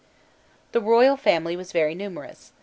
The royal family was very numerous.